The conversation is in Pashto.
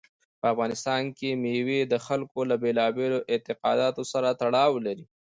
په افغانستان کې مېوې د خلکو له بېلابېلو اعتقاداتو سره تړاو لري.